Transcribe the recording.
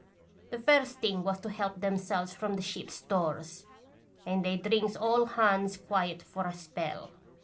The first thing was to help themselves from the ship's stores, and they drinks all hands quiet for a spell.